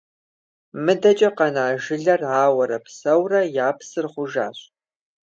МыдэкӀэ къэна жылэр ауэрэ псэууэрэ, я псыр гъужащ.